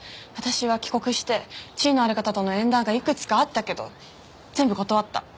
私は帰国して地位のある方との縁談がいくつかあったけど全部断った。